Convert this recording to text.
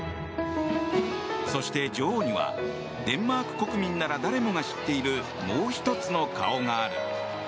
そして女王にはデンマーク国民なら誰もが知っているもう１つの顔がある。